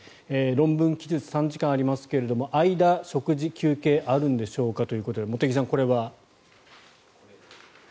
論文記述３時間ありますが間、食事、休憩あるんでしょうかということで茂木さん、これは？